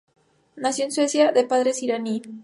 Nació en Suecia, del padres iraní.